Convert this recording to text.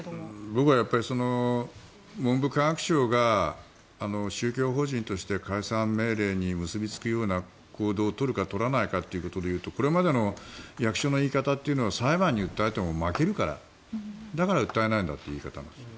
僕はやっぱり文部科学省が宗教法人として解散命令に結びつくような行動を取るか取らないかで言うとこれまでの役所の言い方は裁判に訴えても負けるからだから訴えないという言い方をする。